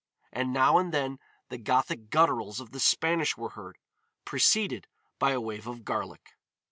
And now and then the Gothic gutturals of the Spanish were heard, preceded by a wave of garlic.